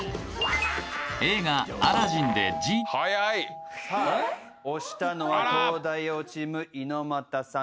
映画「アラジン」でジさあ押したのは東大王チーム猪俣さん